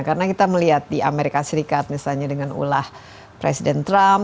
karena kita melihat di amerika serikat misalnya dengan ulah presiden trump